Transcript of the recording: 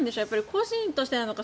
個人としてなのか